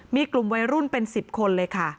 มีกลุ่มวัยรุ่นเป็น๑๐คนเลยค่ะ